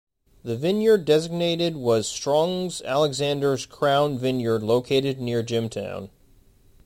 The vineyard designated was Strong's Alexander's Crown vineyard located near Jimtown.